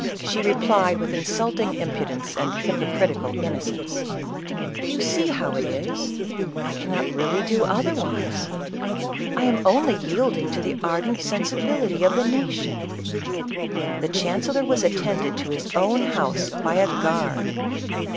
She replied with insulting impudence and hypocritical innocence, "You see how it is; I really cannot do otherwise ; I am only yielding to the ardent sensibility of the nation !" The chancellor was attended to his own house by a guard